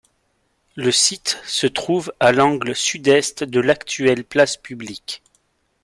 Le site se trouve à l'angle sud-est de l'actuelle place publique.